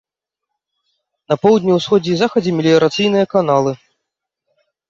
На поўдні, усходзе і захадзе меліярацыйныя каналы.